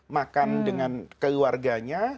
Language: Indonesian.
makan dengan keluarganya